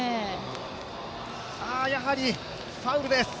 やはりファウルです。